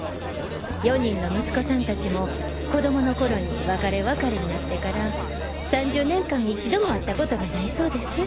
４人の息子さん達も子供の頃に別れ別れになってから３０年間一度も会ったコトがないそうです。